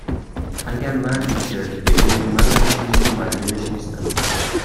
اگر مردی چرت بگه، منم چیزی رو مدیونش نیستم